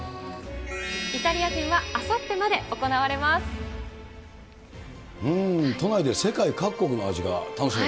イタリア展はあさってまで行都内で世界各国の味が楽しめ